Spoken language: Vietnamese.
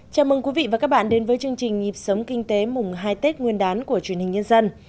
chào mừng quý vị và các bạn đến với chương trình nhịp sống kinh tế mùng hai tết nguyên đán của truyền hình nhân dân